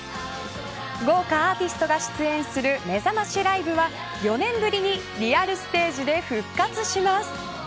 豪華アーティストが出演するめざましライブは４年ぶりにリアルステージで復活します。